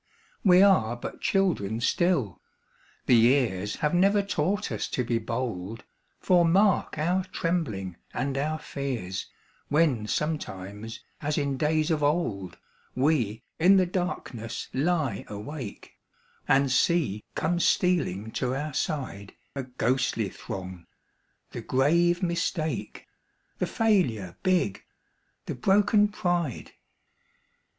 We are but children still, the years Have never taught us to be bold, For mark our trembling and our fears When sometimes, as in days of old, We in the darkness lie awake, And see come stealing to our side A ghostly throng the grave Mistake, The Failure big, the broken Pride.